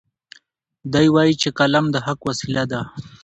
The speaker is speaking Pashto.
دی وایي چې قلم د حق وسیله ده.